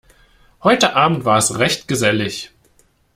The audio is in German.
Heute Abend war es recht gesellig.